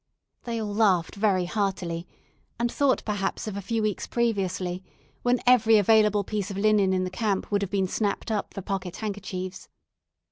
They all laughed very heartily, and thought perhaps of a few weeks previously, when every available piece of linen in the camp would have been snapped up for pocket handkerchiefs.